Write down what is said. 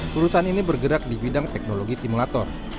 perusahaan ini bergerak di bidang teknologi simulator